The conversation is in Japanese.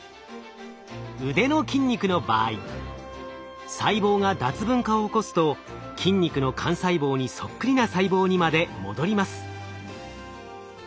うでの筋肉の場合細胞が脱分化を起こすと筋肉の幹細胞にそっくりな細胞にまで戻ります。